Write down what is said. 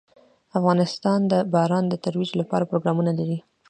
افغانستان د باران د ترویج لپاره پروګرامونه لري.